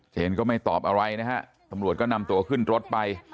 เชนก็ไม่ตอบอะไรนะฮะตำรวจก็นำตัวขึ้นรถไป